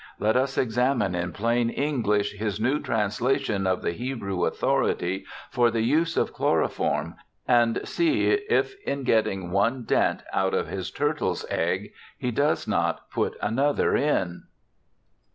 Let us examine in plain English his new translation of the Hebrew authority for the use of chloroform and see if in getting one dent out of his turtle's egg^ he does not put another in.'